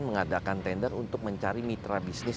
mengadakan tender untuk mencari mitra bisnis